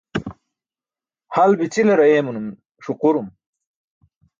Hal bi̇ćilar ayeemanum ṣuqurum.